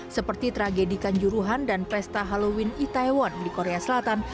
seperti tragedikan juruhan dan pesta halloween di taiwan di korea selatan